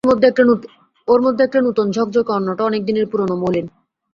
ওর মধ্যে একটা নূতন ঝকঝকে অন্যটা অনেক দিনের পুরোনো, মলিন।